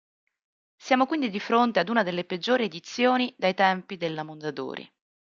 Siamo quindi di fronte ad una delle peggiori edizioni dai tempi della Mondadori.